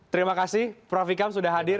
terima kasih prof ikam sudah hadir